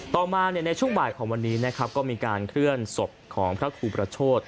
ต่อมาในช่วงบ่ายของวันนี้นะครับก็มีการเคลื่อนศพของพระครูประโชธ